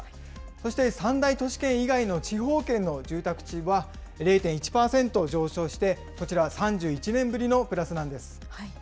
そして三大都市圏以外の地方圏の住宅地は０．１％上昇して、こちら、３１年ぶりのプラスなんです。